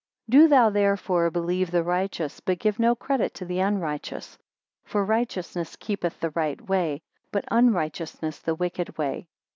3 Do thou therefore believe the righteous, but give no credit to the unrighteous. For righteousness keepeth the right way, but unrighteousness the wicked way.